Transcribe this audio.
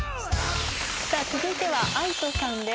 さあ続いてはＡＩＴＯさんです。